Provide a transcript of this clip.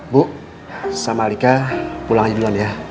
bu sama lika pulang aja duluan ya